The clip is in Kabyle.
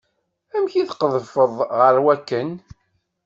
Amek tqedfeḍ ɣer wakken?